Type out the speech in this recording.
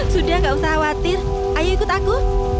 sudah gak usah khawatir ayo ikut aku